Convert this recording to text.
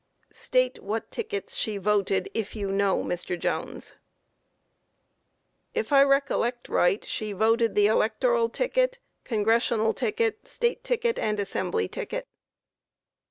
Q. State what tickets she voted, if you know, Mr. Jones? A. If I recollect right she voted the Electoral ticket, Congressional ticket, State ticket, and Assembly ticket.